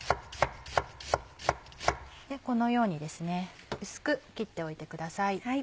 このようにですね薄く切っておいてください。